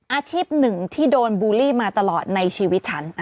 อาชีพหนึ่งที่โดนบูลลี่มาตลอดในชีวิตฉัน